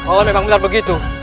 oh memang benar begitu